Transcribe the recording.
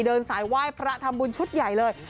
เดินสายไหว้พระทำบุญชุดใหญ่เลย